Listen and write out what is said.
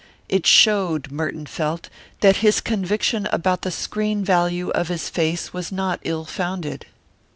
It showed, Merton felt, that his conviction about the screen value of his face was not ill founded.